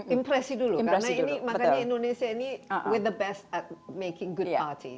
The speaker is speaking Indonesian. impresi dulu karena makanya indonesia ini dengan kebaikan dalam membuat artis yang baik